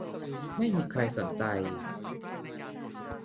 ไม่มีใครสนใจ